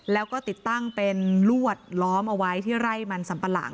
แล้วก็ติดตั้งเป็นลวดล้อมเอาไว้ที่ไร่มันสัมปะหลัง